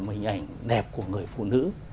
mình ảnh đẹp của người phụ nữ